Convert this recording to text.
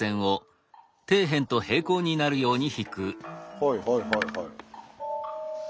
はいはいはいはい。